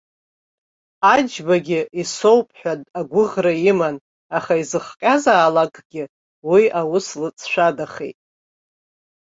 Аџьбагьы исоуп ҳәа агәыӷра иман, аха изыхҟьазаалакгьы уи аус лыҵшәадахеит.